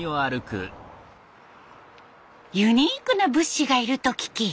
ユニークな仏師がいると聞き。